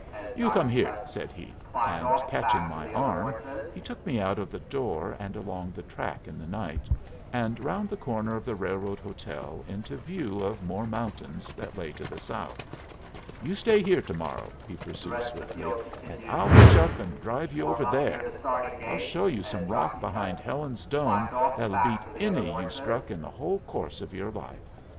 "You come here," said he; and, catching my arm, he took me out of the door and along the track in the night, and round the corner of the railroad hotel into view of more mountains that lay to the south. "You stay here to morrow," he pursued, swiftly, "and I'll hitch up and drive you over there. I'll show you some rock behind Helen's Dome that'll beat any you've struck in the whole course of your life.